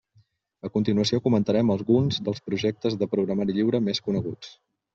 A continuació comentarem alguns dels projectes de programari lliure més coneguts.